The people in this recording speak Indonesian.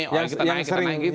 orang kita naik kita naik gitu